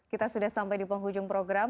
kita sudah sampai di penghujung program